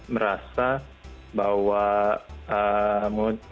merasa bahwa mengutarakan pikiran mengenai black lives matter adalah sesuatu yang sangat penting